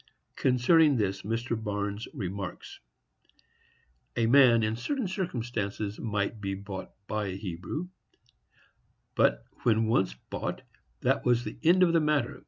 Concerning this Mr. Barnes remarks: A man, in certain circumstances, might be bought by a Hebrew; but when once bought, that was an end of the matter.